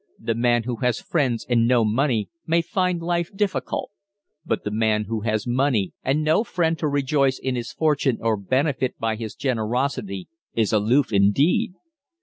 The man who has friends and no money may find life difficult; but the man who has money and no friend to rejoice in his fortune or benefit by his generosity is aloof indeed.